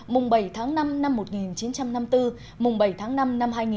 mùng bảy tháng năm năm một nghìn chín trăm năm mươi bốn mùng bảy tháng năm năm hai nghìn hai mươi bốn